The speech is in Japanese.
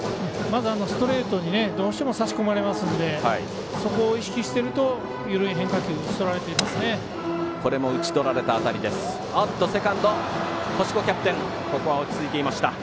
まずストレートにどうしても差し込まれますのでそこを意識していると緩い変化球に打ち取られていますね。